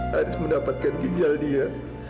haris mendapatkan ginjal dia